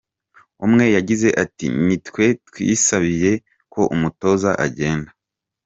Umwe yagize ati “Nitwe twisabiye ko umutoza agenda.